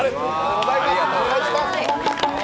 お願いします。